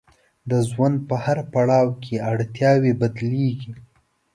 د ژوند په هر پړاو کې اړتیاوې بدلیږي.